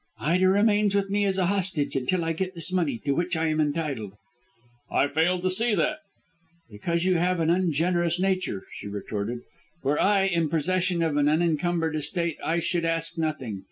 "Ida remains with me as a hostage until I get this money, to which I am entitled." "I fail to see that." "Because you have an ungenerous nature," she retorted. "Were I in possession of an unencumbered estate I should ask nothing.